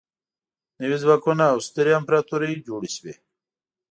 نوي ځواکونه او سترې امپراطورۍ جوړې شوې.